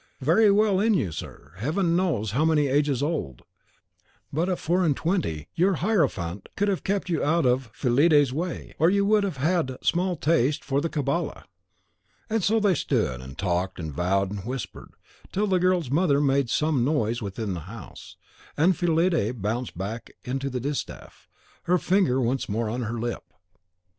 Very well in you, sir, Heaven knows how many ages old; but at four and twenty, your Hierophant would have kept you out of Fillide's way, or you would have had small taste for the Cabala. And so they stood, and talked, and vowed, and whispered, till the girl's mother made some noise within the house, and Fillide bounded back to the distaff, her finger once more on her lip.